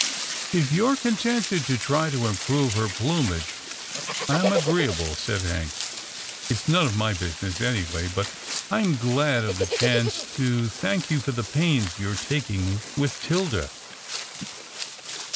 " H you're contented to try to improve her plumage, I'm agreeable," said Hank. It's none of my business anyway, but I'm glad of the chance to thank you for the pains you're taking with 'Tilda."